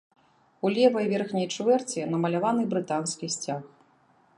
У левай верхняй чвэрці намаляваны брытанскі сцяг.